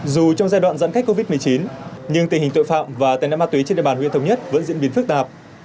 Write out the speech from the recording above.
dù trong giai đoạn giãn cách covid một mươi chín nhưng tình hình tội phạm và tên nạn ma túy trên địa bàn huyện thống nhất vẫn diễn biến phức tạp